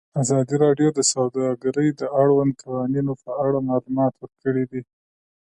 ازادي راډیو د سوداګري د اړونده قوانینو په اړه معلومات ورکړي.